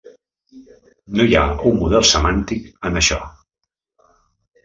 No hi ha un model semàntic en això.